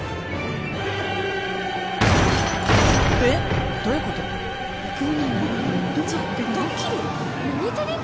えっ？どういうこと？